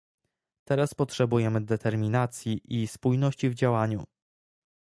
Teraz potrzebujemy determinacji i spójności w działaniu